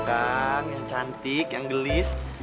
yang cantik yang gelis